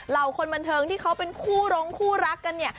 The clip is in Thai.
เหล่าคนบันเทิงที่เขาเป็นคู่ร้องคู่รักกันเนี่ย